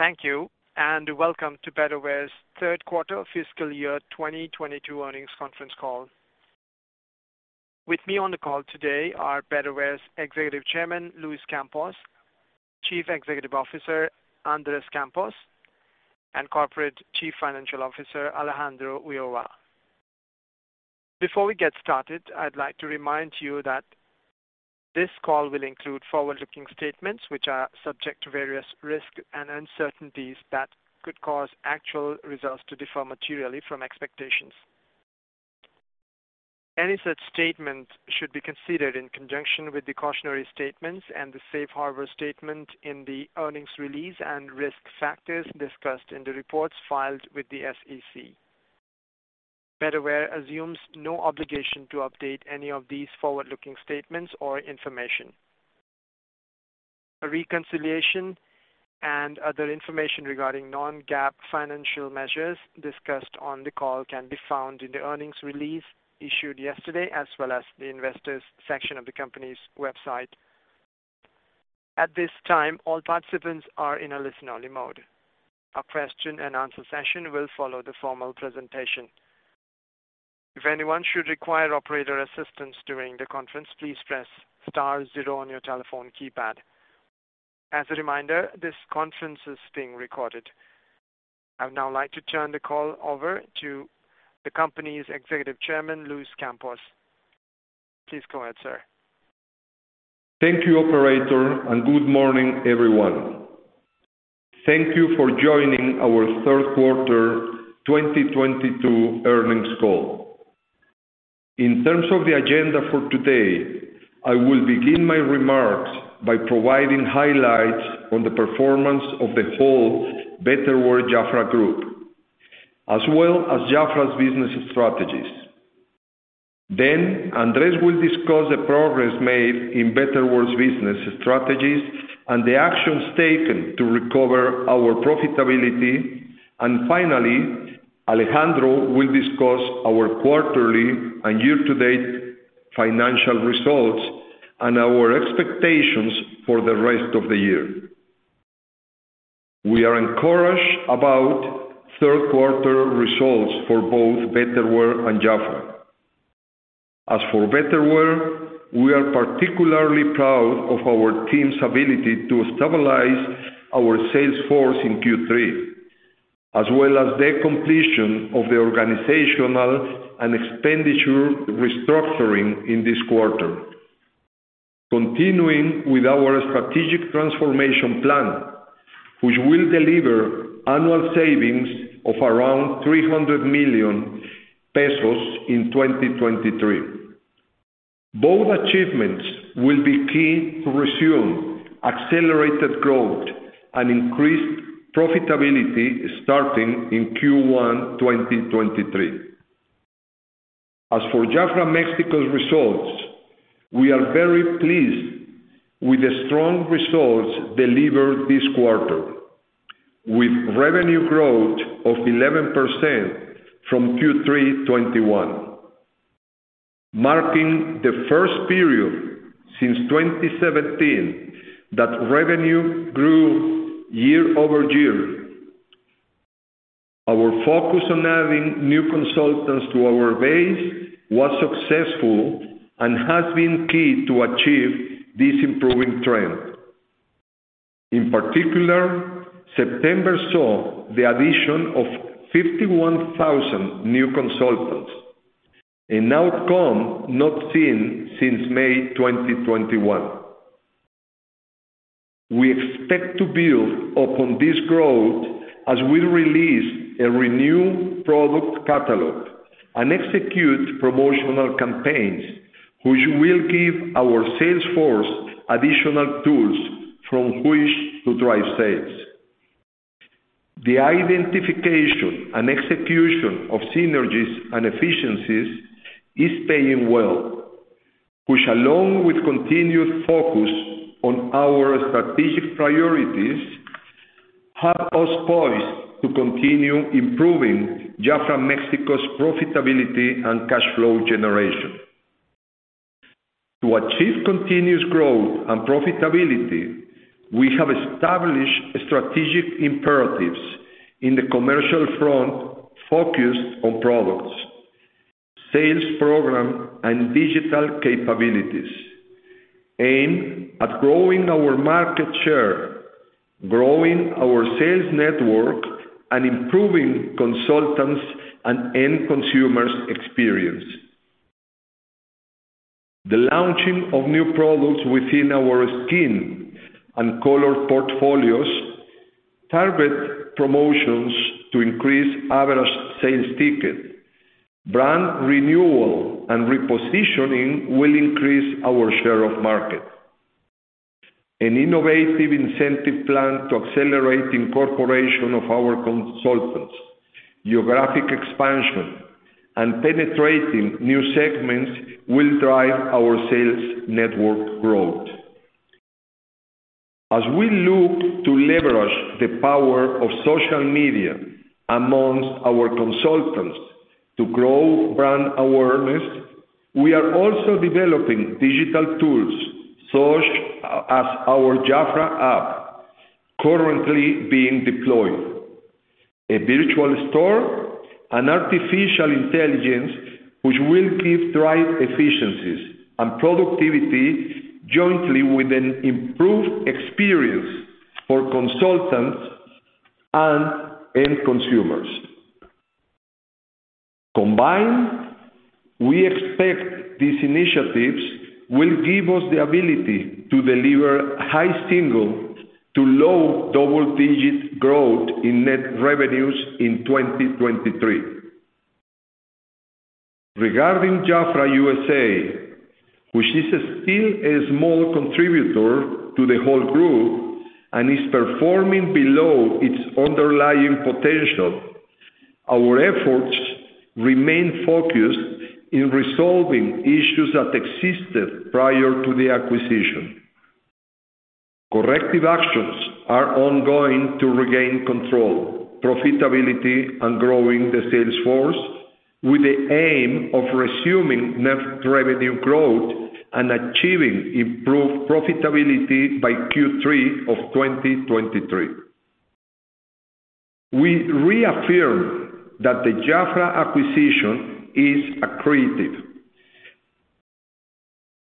Thank you, and welcome to Betterware's third quarter fiscal year 2022 earnings conference call. With me on the call today are Betterware's Executive Chairman, Luis Campos, Chief Executive Officer, Andres Campos, and Corporate Chief Financial Officer, Alejandro Ulloa. Before we get started, I'd like to remind you that this call will include forward-looking statements which are subject to various risks and uncertainties that could cause actual results to differ materially from expectations. Any such statements should be considered in conjunction with the cautionary statements and the safe harbor statement in the earnings release and risk factors discussed in the reports filed with the SEC. Betterware assumes no obligation to update any of these forward-looking statements or information. A reconciliation and other information regarding non-GAAP financial measures discussed on the call can be found in the earnings release issued yesterday, as well as the investors section of the company's website. At this time, all participants are in a listen-only mode. A question-and-answer session will follow the formal presentation. If anyone should require operator assistance during the conference, please press star zero on your telephone keypad. As a reminder, this conference is being recorded. I'd now like to turn the call over to the company's Executive Chairman, Luis Campos. Please go ahead, sir. Thank you, operator, and good morning, everyone. Thank you for joining our third quarter 2022 earnings call. In terms of the agenda for today, I will begin my remarks by providing highlights on the performance of the whole Betterware JAFRA Group, as well as JAFRA's business strategies. Andres will discuss the progress made in Betterware's business strategies and the actions taken to recover our profitability. Finally, Alejandro will discuss our quarterly and year-to-date financial results and our expectations for the rest of the year. We are encouraged about third quarter results for both Betterware and JAFRA. As for Betterware, we are particularly proud of our team's ability to stabilize our sales force in Q3, as well as the completion of the organizational and expenditure restructuring in this quarter. Continuing with our strategic transformation plan, which will deliver annual savings of around 300 million pesos in 2023. Both achievements will be key to resume accelerated growth and increased profitability starting in Q1 2023. As for JAFRA Mexico's results, we are very pleased with the strong results delivered this quarter, with revenue growth of 11% from Q3 2021, marking the first period since 2017 that revenue grew year over year. Our focus on adding new consultants to our base was successful and has been key to achieve this improving trend. In particular, September saw the addition of 51,000 new consultants, an outcome not seen since May 2021. We expect to build upon this growth as we release a renewed product catalog and execute promotional campaigns, which will give our sales force additional tools from which to drive sales. The identification and execution of synergies and efficiencies is paying well, which along with continued focus on our strategic priorities, have us poised to continue improving JAFRA Mexico's profitability and cash flow generation. To achieve continuous growth and profitability, we have established strategic imperatives in the commercial front focused on products, sales program, and digital capabilities aimed at growing our market share, growing our sales network, and improving consultants' and end consumers' experience. The launching of new products within our skin and color portfolios, targeted promotions to increase average sales ticket, brand renewal, and repositioning will increase our share of market. An innovative incentive plan to accelerate incorporation of our consultants, geographic expansion, and penetrating new segments will drive our sales network growth. As we look to leverage the power of social media among our consultants to grow brand awareness. We are also developing digital tools such as our JAFRA App currently being deployed, a virtual store and artificial intelligence which will drive efficiencies and productivity jointly with an improved experience for consultants and end consumers. Combined, we expect these initiatives will give us the ability to deliver high single- to low double-digit% growth in net revenues in 2023. Regarding JAFRA U.S.A., which is still a small contributor to the whole group and is performing below its underlying potential, our efforts remain focused on resolving issues that existed prior to the acquisition. Corrective actions are ongoing to regain control, profitability, and growing the sales force with the aim of resuming net revenue growth and achieving improved profitability by Q3 of 2023. We reaffirm that the JAFRA acquisition is accretive.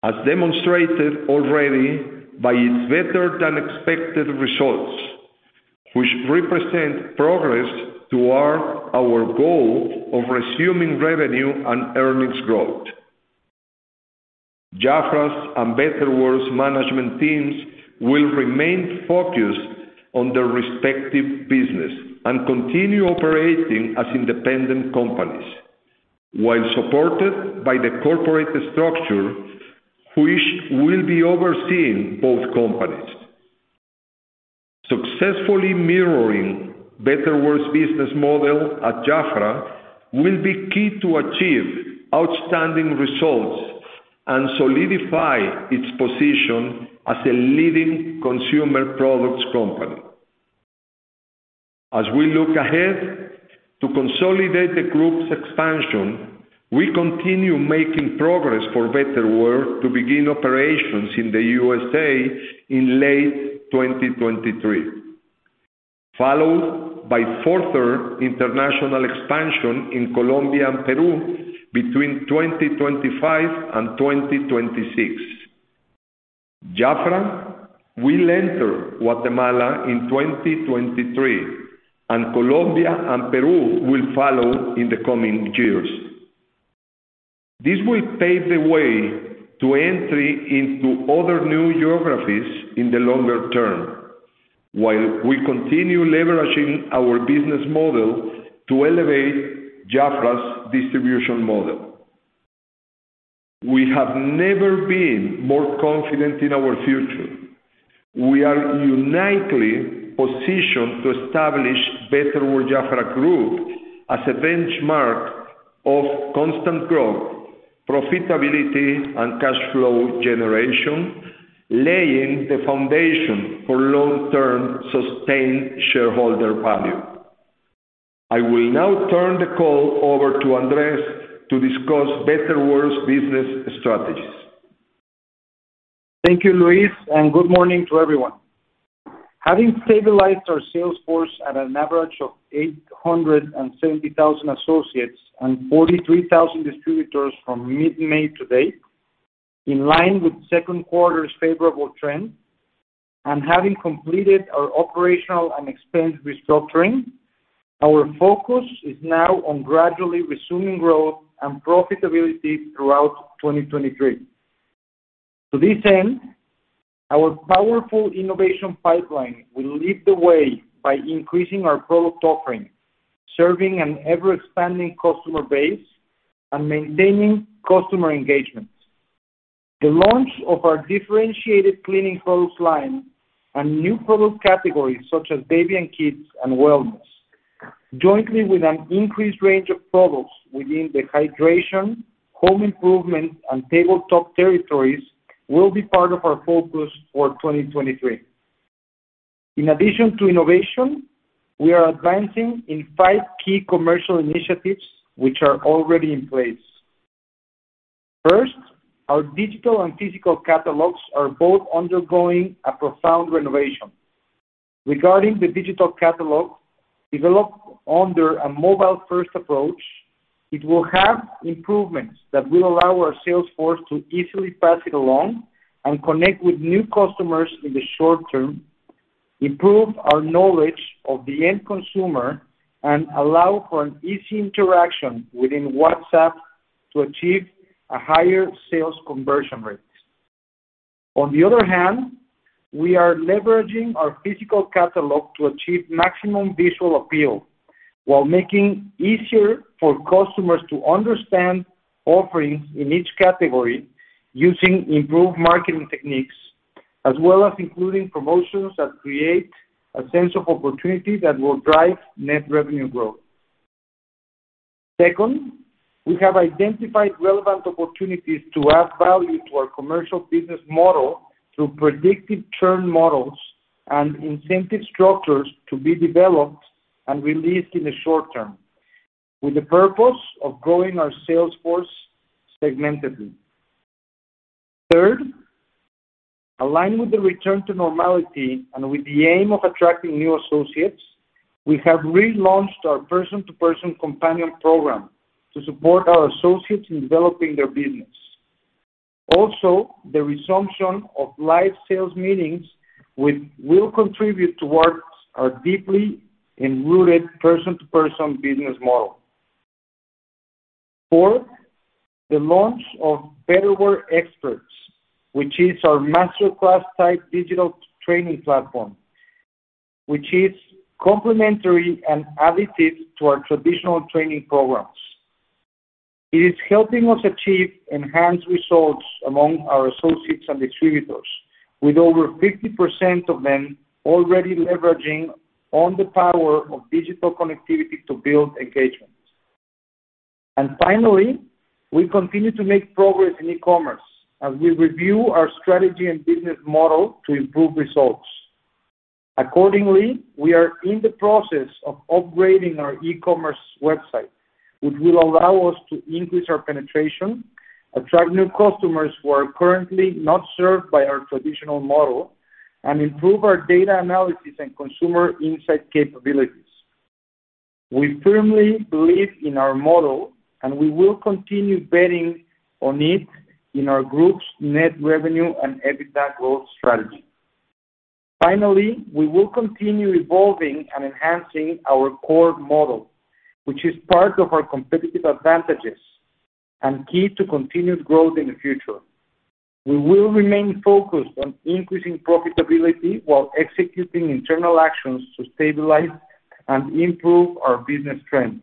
As demonstrated already by its better than expected results, which represent progress toward our goal of resuming revenue and earnings growth. JAFRA's and Betterware's management teams will remain focused on their respective business and continue operating as independent companies while supported by the corporate structure which will be overseeing both companies. Successfully mirroring Betterware's business model at JAFRA will be key to achieve outstanding results and solidify its position as a leading consumer products company. As we look ahead to consolidate the group's expansion, we continue making progress for Betterware to begin operations in the U.S. in late 2023, followed by further international expansion in Colombia and Peru between 2025 and 2026. JAFRA will enter Guatemala in 2023, and Colombia and Peru will follow in the coming years. This will pave the way to entry into other new geographies in the longer term, while we continue leveraging our business model to elevate JAFRA's distribution model. We have never been more confident in our future. We are uniquely positioned to establish Betterware JAFRA Group as a benchmark of constant growth, profitability, and cash flow generation, laying the foundation for long-term sustained shareholder value. I will now turn the call over to Andres to discuss Betterware's business strategies. Thank you, Luis, and good morning to everyone. Having stabilized our sales force at an average of 870,000 associates and 43,000 distributors from mid-May to date, in line with second quarter's favorable trend, and having completed our operational and expense restructuring, our focus is now on gradually resuming growth and profitability throughout 2023. To this end, our powerful innovation pipeline will lead the way by increasing our product offering, serving an ever-expanding customer base, and maintaining customer engagement. The launch of our differentiated cleaning products line and new product categories such as baby and kids and wellness, jointly with an increased range of products within the hydration, home improvement, and tabletop territories will be part of our focus for 2023. In addition to innovation, we are advancing in five key commercial initiatives which are already in place. First, our digital and physical catalogs are both undergoing a profound renovation. Regarding the digital catalog, developed under a mobile-first approach, it will have improvements that will allow our sales force to easily pass it along and connect with new customers in the short term, improve our knowledge of the end consumer, and allow for an easy interaction within WhatsApp to achieve a higher sales conversion rates. On the other hand, we are leveraging our physical catalog to achieve maximum visual appeal while making easier for customers to understand offerings in each category using improved marketing techniques as well as including promotions that create a sense of opportunity that will drive net revenue growth. Second, we have identified relevant opportunities to add value to our commercial business model through predictive churn models and incentive structures to be developed and released in the short term with the purpose of growing our sales force segmentedly. Third, aligning with the return to normality and with the aim of attracting new associates, we have relaunched our person-to-person companion program to support our associates in developing their business. Also, the resumption of live sales meetings, which will contribute towards our deeply-rooted person-to-person business model. Fourth, the launch of Betterware Experts, which is our master class style digital training platform, which is complementary and additive to our traditional training programs. It is helping us achieve enhanced results among our associates and distributors, with over 50% of them already leveraging on the power of digital connectivity to build engagement. Finally, we continue to make progress in e-commerce as we review our strategy and business model to improve results. Accordingly, we are in the process of upgrading our e-commerce website, which will allow us to increase our penetration, attract new customers who are currently not served by our traditional model, and improve our data analysis and consumer insight capabilities. We firmly believe in our model, and we will continue betting on it in our group's net revenue and EBITDA growth strategy. Finally, we will continue evolving and enhancing our core model, which is part of our competitive advantages and key to continued growth in the future. We will remain focused on increasing profitability while executing internal actions to stabilize and improve our business trends.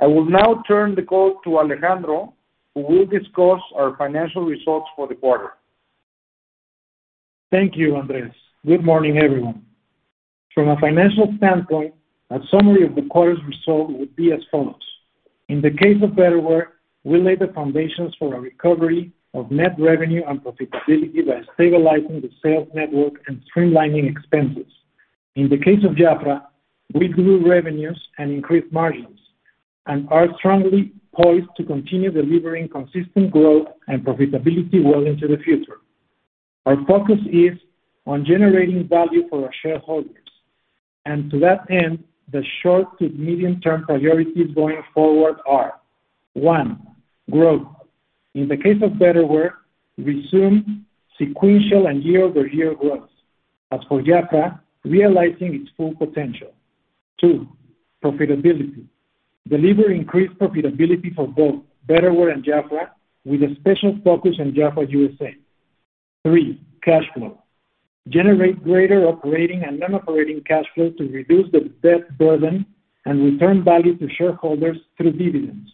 I will now turn the call to Alejandro, who will discuss our financial results for the quarter. Thank you, Andres. Good morning, everyone. From a financial standpoint, a summary of the quarter's result would be as follows. In the case of Betterware, we lay the foundations for a recovery of net revenue and profitability by stabilizing the sales network and streamlining expenses. In the case of JAFRA, we grew revenues and increased margins and are strongly poised to continue delivering consistent growth and profitability well into the future. Our focus is on generating value for our shareholders. To that end, the short to medium-term priorities going forward are, one, growth. In the case of Betterware, resume sequential and year-over-year growth. As for JAFRA, realizing its full potential. Two, profitability. Deliver increased profitability for both Betterware and JAFRA with a special focus on JAFRA USA. Three, cash flow. Generate greater operating and non-operating cash flow to reduce the debt burden and return value to shareholders through dividends.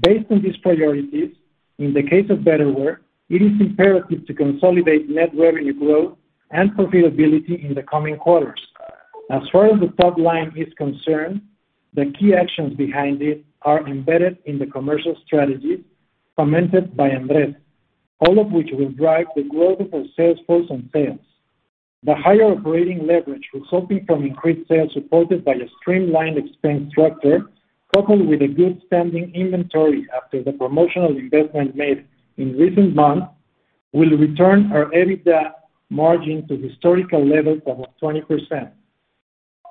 Based on these priorities, in the case of Betterware, it is imperative to consolidate net revenue growth and profitability in the coming quarters. As far as the top line is concerned, the key actions behind it are embedded in the commercial strategy commented by Andres, all of which will drive the growth of our sales force and sales. The higher operating leverage resulting from increased sales supported by a streamlined expense structure, coupled with a good standing inventory after the promotional investment made in recent months, will return our EBITDA margin to historical levels above 20%.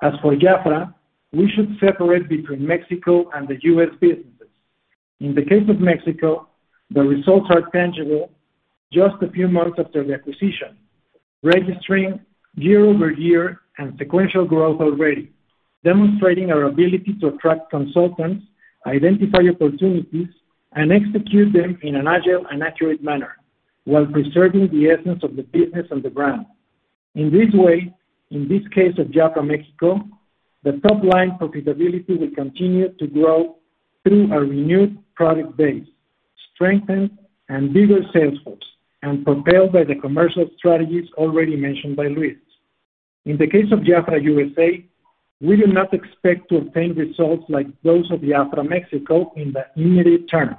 As for JAFRA, we should separate between Mexico and the U.S. businesses. In the case of Mexico, the results are tangible just a few months after the acquisition, registering year-over-year and sequential growth already, demonstrating our ability to attract consultants, identify opportunities, and execute them in an agile and accurate manner while preserving the essence of the business and the brand. In this way, in this case of JAFRA Mexico, the top line profitability will continue to grow through our renewed product base, strengthened and bigger sales force, and propelled by the commercial strategies already mentioned by Luis. In the case of JAFRA USA, we do not expect to obtain results like those of JAFRA Mexico in the immediate term,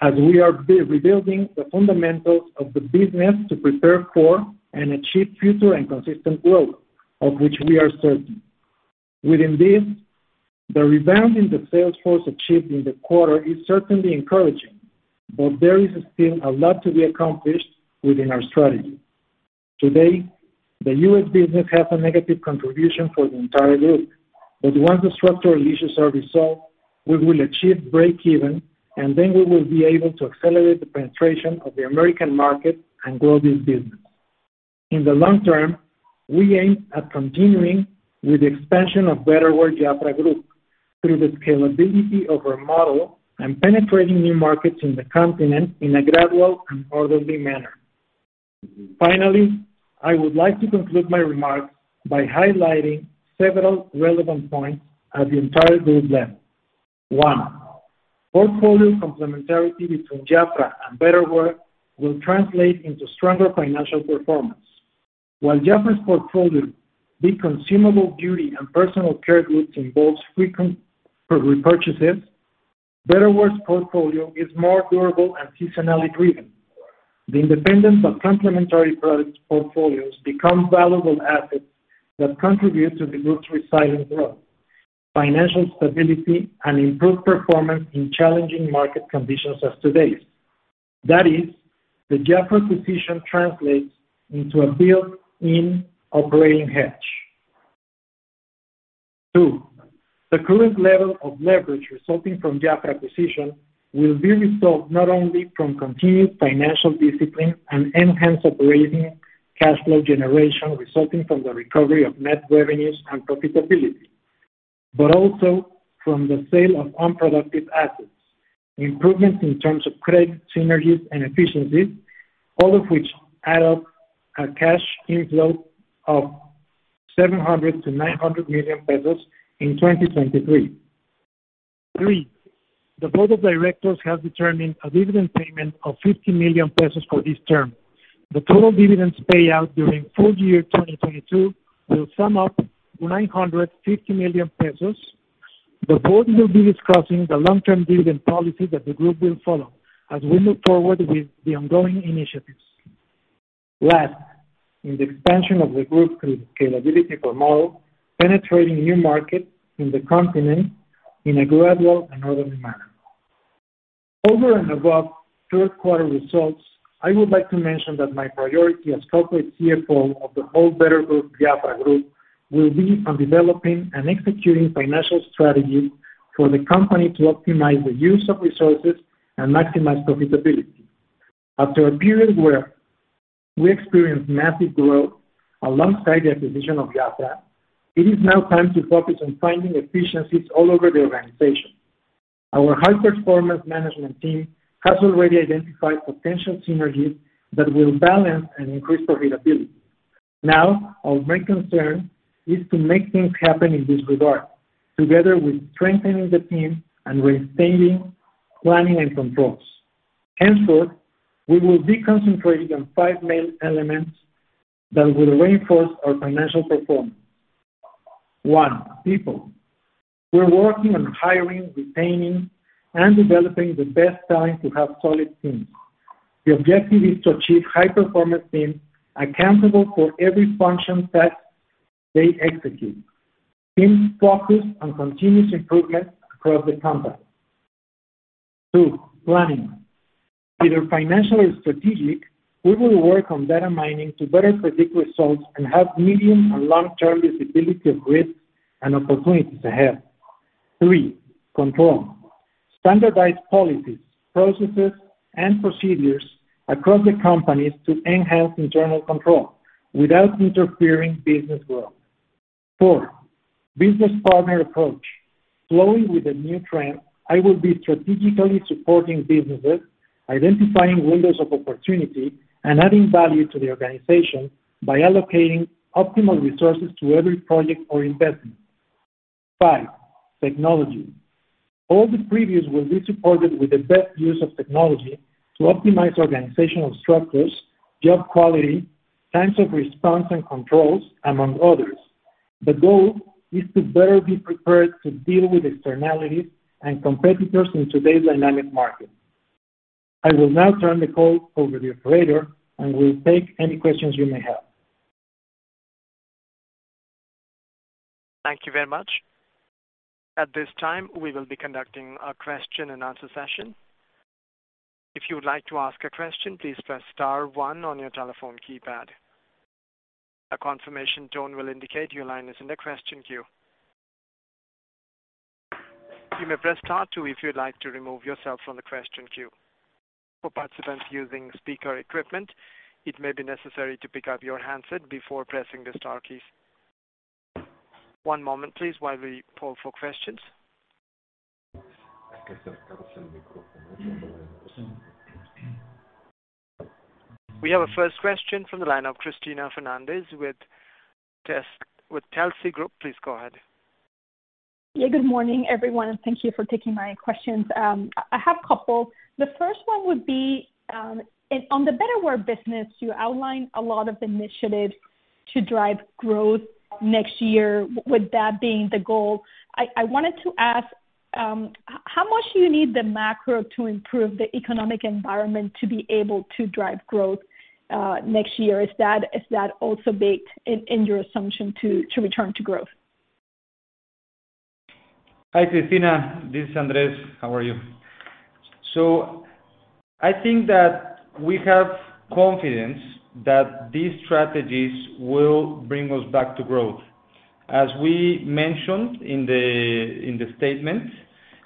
as we are rebuilding the fundamentals of the business to prepare for and achieve future and consistent growth, of which we are certain. Within this, the rebound in the sales force achieved in the quarter is certainly encouraging, but there is still a lot to be accomplished within our strategy. Today, the U.S. business has a negative contribution for the entire group. Once the structural issues are resolved, we will achieve breakeven, and then we will be able to accelerate the penetration of the American market and grow this business. In the long term, we aim at continuing with the expansion of Betterware JAFRA Group through the scalability of our model and penetrating new markets in the continent in a gradual and orderly manner. Finally, I would like to conclude my remarks by highlighting several relevant points for the entire group. Then, one, portfolio complementarity between JAFRA and Betterware will translate into stronger financial performance. While JAFRA's portfolio, the consumable beauty and personal care goods, involves frequent repurchases, Betterware's portfolio is more durable and seasonally driven. The independent but complementary products portfolios become valuable assets that contribute to the group's resilient growth, financial stability and improved performance in challenging market conditions as today's. That is, the JAFRA position translates into a built-in operating hedge. Two, the current level of leverage resulting from JAFRA position will be resolved not only from continued financial discipline and enhanced operating cash flow generation resulting from the recovery of net revenues and profitability, but also from the sale of unproductive assets, improvements in terms of credit synergies and efficiencies, all of which add up to a cash inflow of 700 million-900 million pesos in 2023. Three, the board of directors have determined a dividend payment of 50 million pesos for this term. The total dividends payout during full year 2022 will sum up to 950 million pesos. The board will be discussing the long-term dividend policy that the group will follow as we move forward with the ongoing initiatives. Lastly, in the expansion of the group's scalable business model, penetrating new markets in the continent in a gradual and orderly manner. Over and above third quarter results, I would like to mention that my priority as Corporate CFO of the whole Betterware JAFRA Group will be on developing and executing financial strategies for the company to optimize the use of resources and maximize profitability. After a period where we experienced massive growth alongside the acquisition of JAFRA, it is now time to focus on finding efficiencies all over the organization. Our high-performance management team has already identified potential synergies that will balance and increase profitability. Now, our main concern is to make things happen in this regard, together with strengthening the team and restating planning and controls. Henceforth, we will be concentrating on five main elements that will reinforce our financial performance. One, people. We're working on hiring, retaining, and developing the best talent to have solid teams. The objective is to achieve high-performance teams accountable for every function that they execute. Teams focused on continuous improvement across the company. Two, planning. Either financial or strategic, we will work on data mining to better predict results and have medium and long-term visibility of risks and opportunities ahead. Three, control. Standardized policies, processes, and procedures across the companies to enhance internal control without interfering business growth. Four, business partner approach. Following with the new trend, I will be strategically supporting businesses, identifying windows of opportunity, and adding value to the organization by allocating optimal resources to every project or investment. Five, technology. All the previous will be supported with the best use of technology to optimize organizational structures, job quality, times of response and controls, among others. The goal is to better be prepared to deal with externalities and competitors in today's dynamic market. I will now turn the call over to the operator, and we'll take any questions you may have. Thank you very much. At this time, we will be conducting a question and answer session. If you would like to ask a question, please press star one on your telephone keypad. A confirmation tone will indicate your line is in the question queue. You may press star two if you'd like to remove yourself from the question queue. For participants using speaker equipment, it may be necessary to pick up your handset before pressing the star keys. One moment, please, while we poll for questions. We have a first question from the line of Cristina Fernández with Telsey Group. Please go ahead. Yeah, good morning, everyone, and thank you for taking my questions. I have a couple. The first one would be, on the Betterware business, you outlined a lot of initiatives to drive growth next year with that being the goal. I wanted to ask, how much do you need the macro to improve the economic environment to be able to drive growth next year? Is that also baked in your assumption to return to growth? Hi, Cristina. This is Andres. How are you? I think that we have confidence that these strategies will bring us back to growth. As we mentioned in the statement,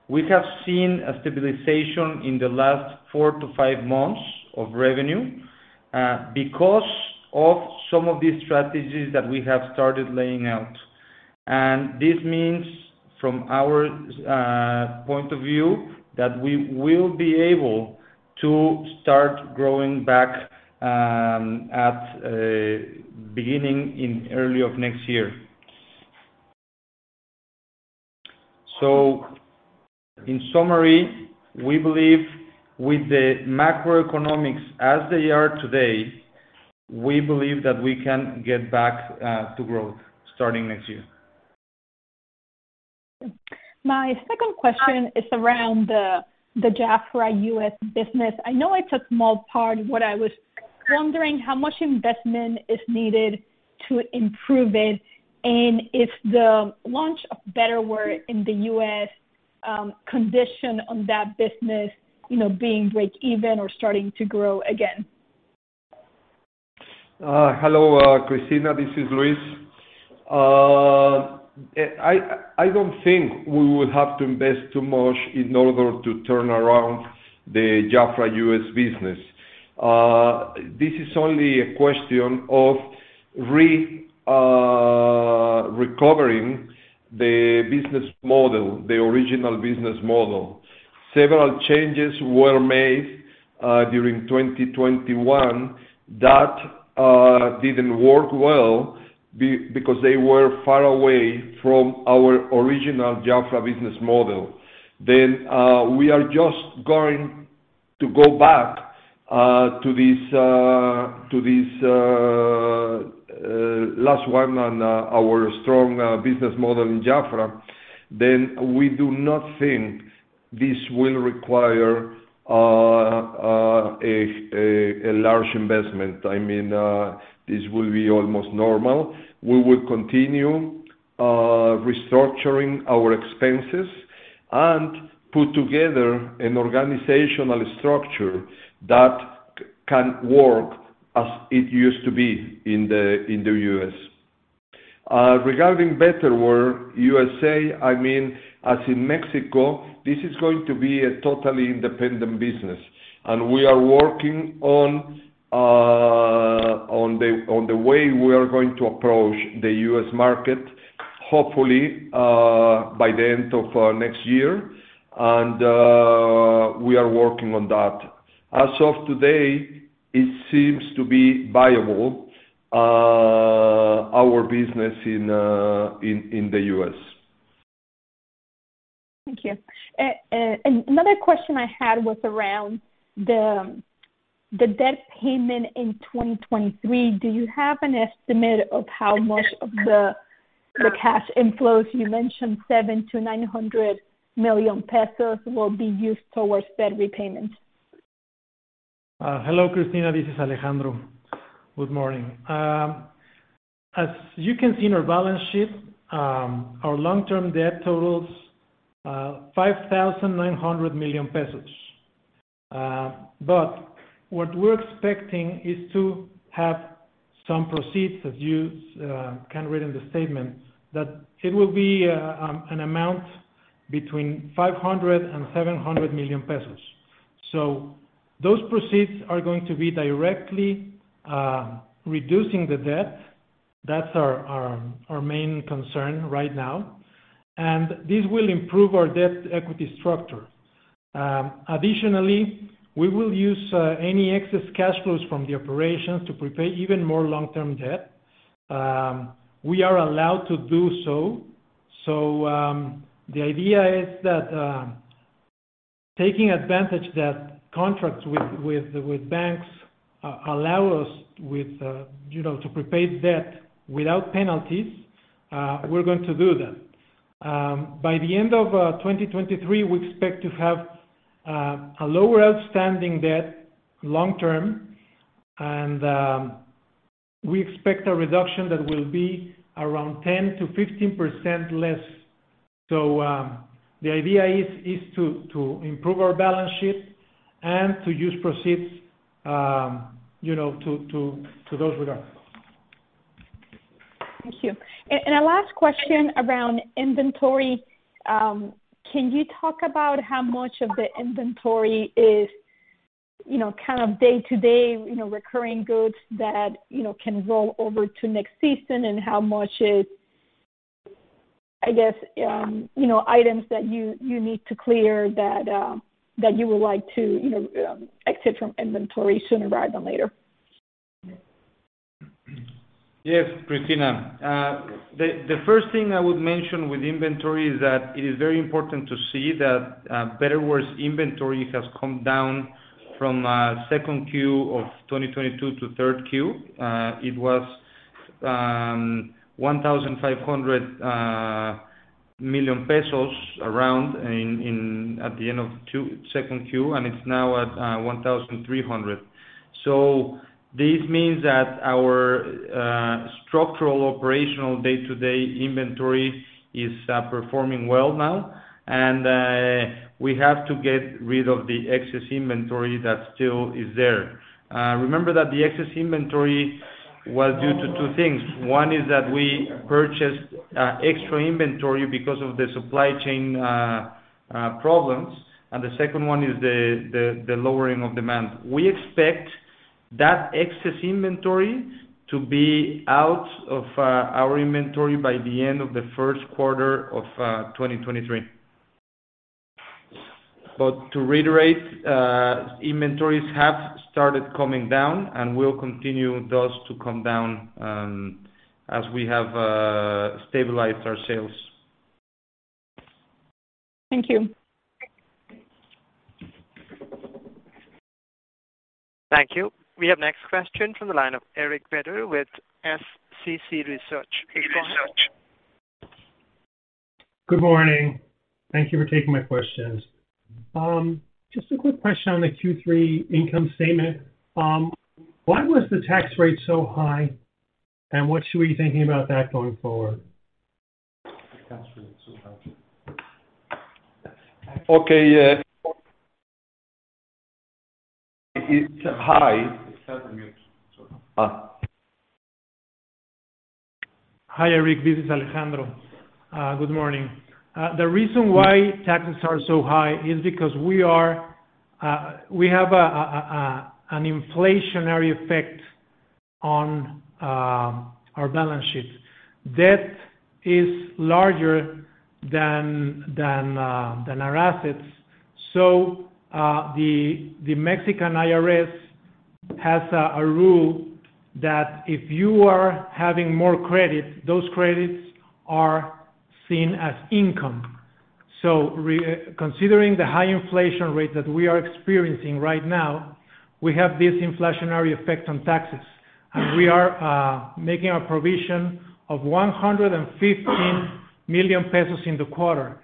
we have seen a stabilization in the last four to five months of revenue because of some of these strategies that we have started laying out. This means from our point of view that we will be able to start growing back at beginning in early of next year. In summary, we believe with the macroeconomics as they are today. We believe that we can get back to growth starting next year. My second question is around the JAFRA U.S. business. I know it's a small part. What I was wondering, how much investment is needed to improve it, and if the launch of Betterware in the U.S. conditional on that business, you know, being breakeven or starting to grow again. Hello, Cristina, this is Luis. I don't think we will have to invest too much in order to turn around the JAFRA U.S. business. This is only a question of recovering the business model, the original business model. Several changes were made during 2021 that didn't work well because they were far away from our original JAFRA business model. We are just going to go back to this last one and our strong business model in JAFRA. We do not think this will require a large investment. I mean, this will be almost normal. We will continue restructuring our expenses and put together an organizational structure that can work as it used to be in the U.S. Regarding Betterware U.S.A., I mean, as in Mexico, this is going to be a totally independent business, and we are working on the way we are going to approach the U.S. market, hopefully, by the end of next year, and we are working on that. As of today, it seems to be viable, our business in the U.S. Thank you. Another question I had was around the debt payment in 2023. Do you have an estimate of how much of the cash inflows you mentioned 700 million-900 million pesos will be used towards debt repayment? Hello, Cristina. This is Alejandro. Good morning. As you can see in our balance sheet, our long-term debt totals 5,900 million pesos. What we're expecting is to have some proceeds, as you can read in the statement, that it will be an amount between 500 million pesos and 700 million pesos. Those proceeds are going to be directly reducing the debt. That's our main concern right now, and this will improve our debt equity structure. Additionally, we will use any excess cash flows from the operations to prepay even more long-term debt. We are allowed to do so. The idea is that, taking advantage that contracts with banks allow us, you know, to prepay debt without penalties, we're going to do that. By the end of 2023, we expect to have a lower outstanding debt long term, and we expect a reduction that will be around 10%-15% less. The idea is to improve our balance sheet and to use proceeds, you know, to those regards. Thank you. A last question around inventory. Can you talk about how much of the inventory is, you know, kind of day-to-day, you know, recurring goods that, you know, can roll over to next season and how much is, I guess, you know, items that you need to clear that you would like to, you know, exit from inventory sooner rather than later? Yes, Cristina. The first thing I would mention with inventory is that it is very important to see that Betterware's inventory has come down from second Q of 2022 to third Q. It was around 1,500 million pesos at the end of second Q, and it's now at 1,300 million. This means that our structural operational day-to-day inventory is performing well now, and we have to get rid of the excess inventory that still is there. Remember that the excess inventory was due to two things. One is that we purchased extra inventory because of the supply chain problems, and the second one is the lowering of demand. We expect that excess inventory to be out of our inventory by the end of the first quarter of 2023. To reiterate, inventories have started coming down, and will continue thus to come down, as we have stabilized our sales. Thank you. Thank you. We have next question from the line of Eric Beder with SCC Research. SCC Research. Good morning. Thank you for taking my questions. Just a quick question on the Q3 income statement. Why was the tax rate so high, and what were you thinking about that going forward? The tax rate so high. Okay, yeah. It's high. It's hard to mute. Sorry. Uh. Hi, Eric, this is Alejandro. Good morning. The reason why taxes are so high is because we have an inflationary effect on our balance sheets. Debt is larger than our assets. The Mexican IRS has a rule that if you are having more credit, those credits are seen as income. Considering the high inflation rate that we are experiencing right now, we have this inflationary effect on taxes. We are making a provision of 115 million pesos in the quarter.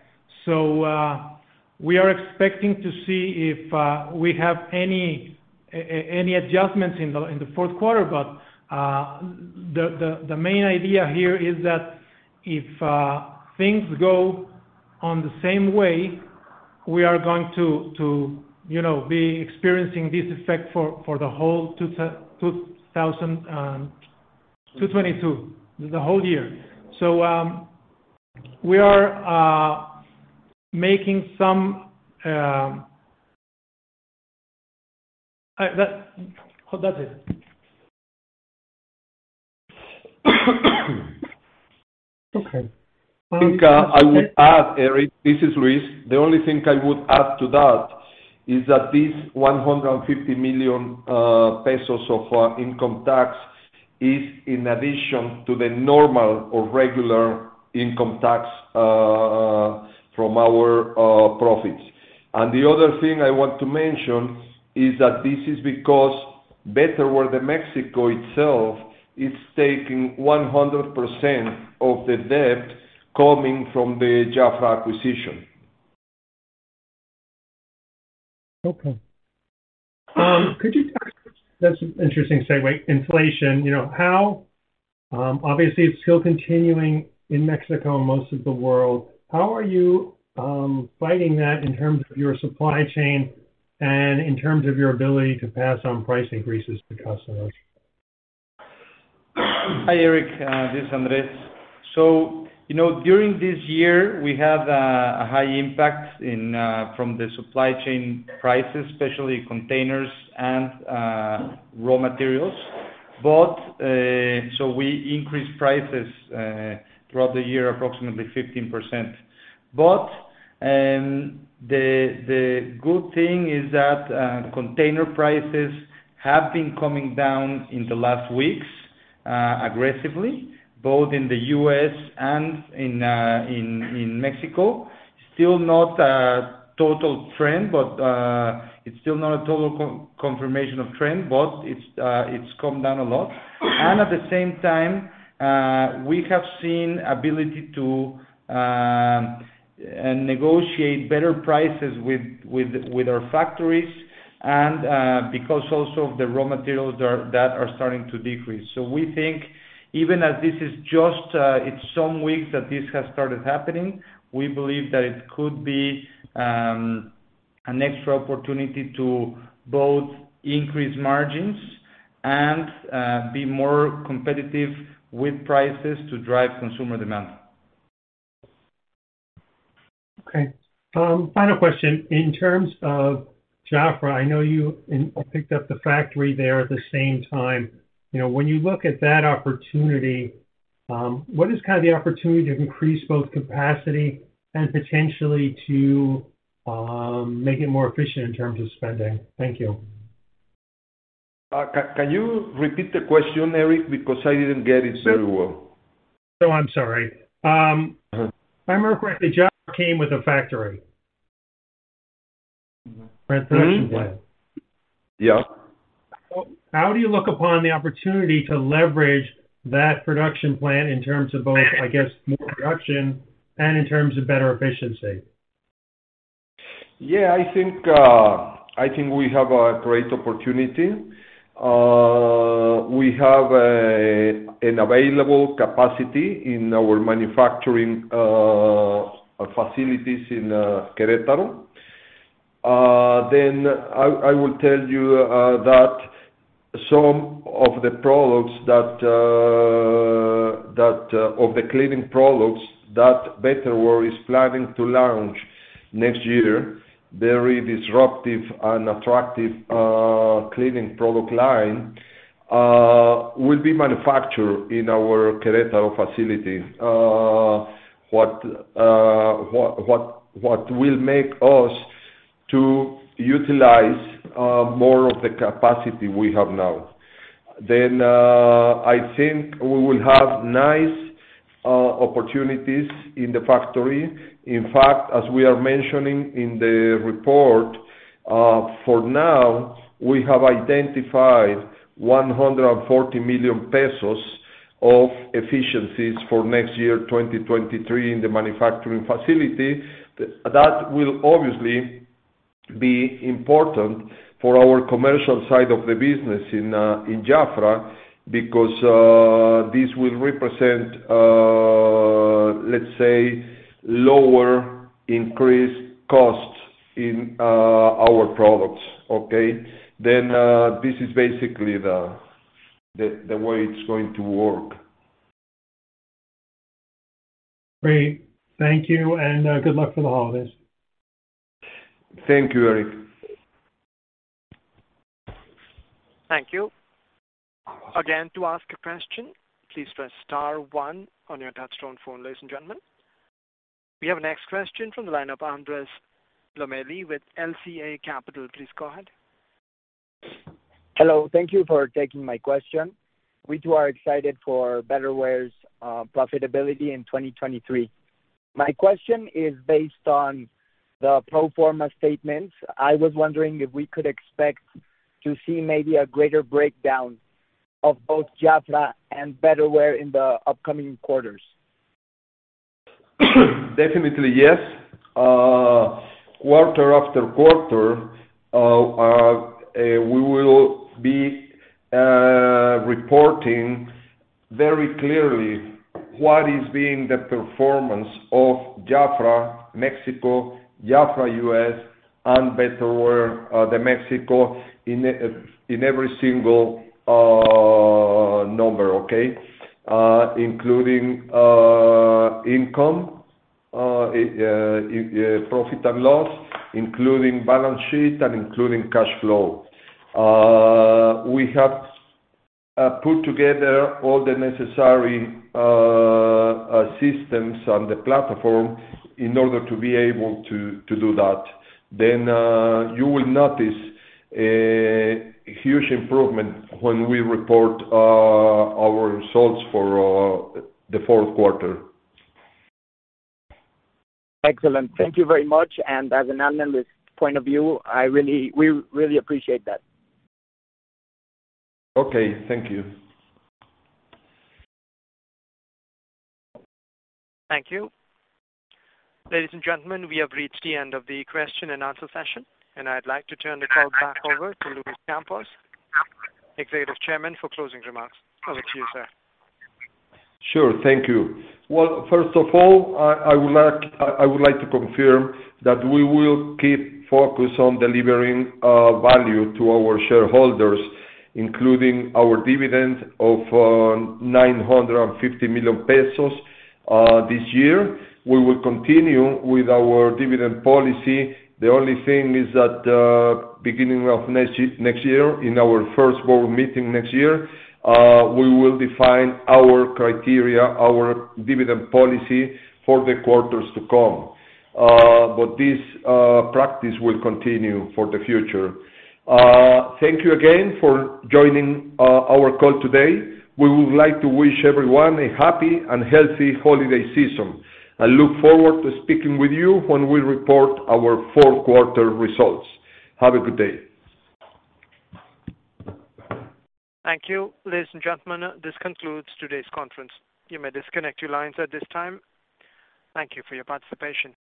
We are expecting to see if we have any adjustments in the fourth quarter. The main idea here is that if things go on the same way, we are going to you know be experiencing this effect for the whole 2022, the whole year. We are making some. Well, that's it. Okay. I think, I would add, Eric, this is Luis. The only thing I would add to that is that this 150 million pesos of income tax is in addition to the normal or regular income tax from our profits. The other thing I want to mention is that this is because Betterware de México itself is taking 100% of the debt coming from the JAFRA acquisition. That's an interesting segue, inflation. You know how obviously it's still continuing in Mexico and most of the world. How are you fighting that in terms of your supply chain and in terms of your ability to pass on price increases to customers? Hi, Eric, this is Andres. You know, during this year, we have a high impact from the supply chain prices, especially containers and raw materials. We increased prices throughout the year, approximately 15%. The good thing is that container prices have been coming down in the last weeks aggressively, both in the U.S. and in Mexico. Still not a total trend, but it's still not a total confirmation of trend, but it's come down a lot. At the same time, we have seen ability to negotiate better prices with our factories and because also of the raw materials that are starting to decrease. We think even as this is just, it's some weeks that this has started happening, we believe that it could be an extra opportunity to both increase margins and be more competitive with prices to drive consumer demand. Okay. Final question. In terms of JAFRA, I know you picked up the factory there at the same time. You know, when you look at that opportunity, what is kind of the opportunity to increase both capacity and potentially to make it more efficient in terms of spending? Thank you. Can you repeat the question, Eric, because I didn't get it very well. Sure. I'm sorry. Uh-huh. I remember correctly, JAFRA came with a factory. Production plant. Yeah. How do you look upon the opportunity to leverage that production plant in terms of both, I guess, more production and in terms of better efficiency? Yeah, I think we have a great opportunity. We have available capacity in our manufacturing facilities in Querétaro. I will tell you that some of the cleaning products that Betterware is planning to launch next year, very disruptive and attractive cleaning product line, will be manufactured in our Querétaro facility. What will make us to utilize more of the capacity we have now. I think we will have nice opportunities in the factory. In fact, as we are mentioning in the report, for now, we have identified 140 million pesos of efficiencies for next year, 2023 in the manufacturing facility. That will obviously be important for our commercial side of the business in JAFRA because this will represent, let's say lower increased costs in our products. Okay? This is basically the way it's going to work. Great. Thank you, and good luck for the holidays. Thank you, Eric. Thank you. Again, to ask a question, please press star one on your touch tone phone, ladies and gentlemen. We have our next question from the line of Andres Lomeli with LCA Capital. Please go ahead. Hello. Thank you for taking my question. We too are excited for Betterware's profitability in 2023. My question is based on the pro forma statements. I was wondering if we could expect to see maybe a greater breakdown of both JAFRA and Betterware in the upcoming quarters. Definitely yes. Quarter after quarter, we will be reporting very clearly what is being the performance of JAFRA Mexico, JAFRA U.S., and Betterware de México in every single number. Okay? Including income, profit and loss, including balance sheet and including cash flow. We have put together all the necessary systems on the platform in order to be able to do that. You will notice a huge improvement when we report our results for the fourth quarter. Excellent. Thank you very much. As an analyst point of view, we really appreciate that. Okay, thank you. Thank you. Ladies and gentlemen, we have reached the end of the question and answer session, and I'd like to turn the call back over to Luis Campos, Executive Chairman, for closing remarks. Over to you, sir. Sure. Thank you. Well, first of all, I would like to confirm that we will keep focused on delivering value to our shareholders, including our dividend of 950 million pesos this year. We will continue with our dividend policy. The only thing is that beginning of next year, in our first board meeting next year, we will define our criteria, our dividend policy for the quarters to come. This practice will continue for the future. Thank you again for joining our call today. We would like to wish everyone a happy and healthy holiday season. I look forward to speaking with you when we report our fourth quarter results. Have a good day. Thank you. Ladies and gentlemen, this concludes today's conference. You may disconnect your lines at this time. Thank you for your participation.